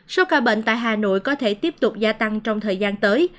số ca bệnh tại hà nội có thể tiếp tục gia tăng trong thời gian tới